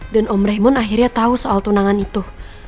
dan om raymond akhirnya tahu soal tunangan itu